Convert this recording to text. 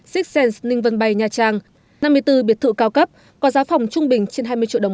sixth sense ninh vân bay nha trang năm mươi bốn biệt thự cao cấp có giá phòng trung bình trên hai mươi triệu đồng